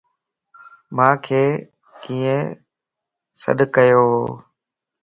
مانک ڪين سڏڪيووَ؟